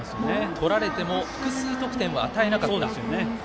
取られても複数得点は与えなかった。